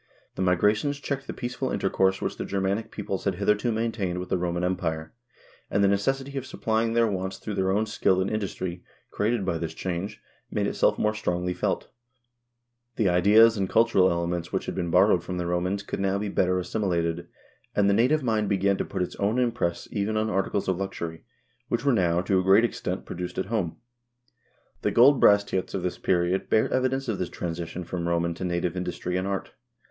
The Migrations checked the peaceful intercourse which the Ger manic peoples had hitherto maintained with the Roman Empire, and the necessity of supplying their wants through their own skill and industry, created by this change, made itself more strongly felt. The ideas and cultural elements which had been borrowed from the Romans could now be better assimilated, and the native mind began Fiu. 34. — Gold bracteate found in Bohuslcn. to put its own impress even on articles of luxury, which were now, to a great extent, produced at home. The gold bracteates of this period bear evidence of this transition from Roman to native industry and art.